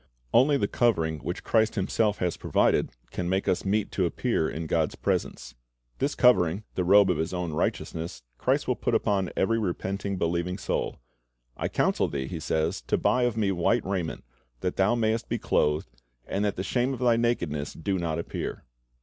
Only the covering which Christ Himself has provided, can make us meet to appear in God's presence. This covering, the robe of His own righteousness, Christ will put upon every repenting, believing soul. 'T counsel thee," He says, "to buy of Me ... white raiment, that thou mayest be clothed, and that the shame of thy nakedness do not appear."